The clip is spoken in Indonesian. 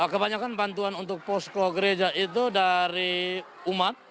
kebanyakan bantuan untuk posko gereja itu dari umat